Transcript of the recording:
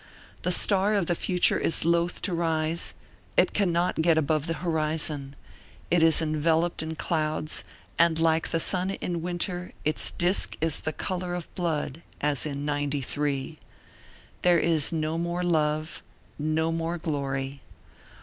The star of the future is loath to rise; it can not get above the horizon; it is enveloped in clouds, and like the sun in winter its disk is the color of blood, as in '93. There is no more love, no more glory.